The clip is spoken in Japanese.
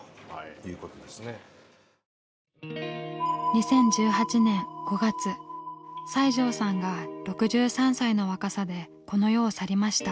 ２０１８年５月西城さんが６３歳の若さでこの世を去りました。